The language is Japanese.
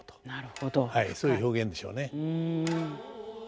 そういう表現でしょうね。